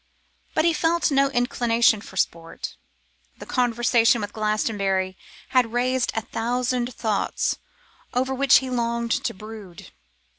But he felt no inclination for sport. The conversation with Glastonbury had raised a thousand thoughts over which he longed to brood.